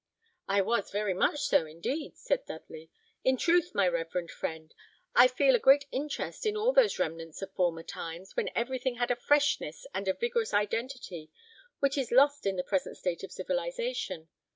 "I was very much so, indeed," said Dudley. "In truth, my reverend friend, I feel a great interest in all those remnants of former times, when everything had a freshness and a vigorous identity which is lost in the present state of civilisation.